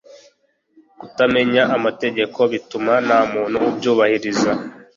kutamenya amategeko bituma nta muntu ubyubahiriza